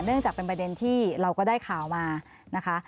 จากเป็นประเด็นที่เราก็ได้ข่าวมานะคะ